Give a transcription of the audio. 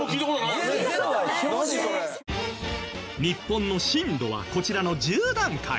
日本の震度はこちらの１０段階。